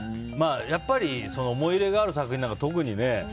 やっぱり思い入れがある作品なんか特にね。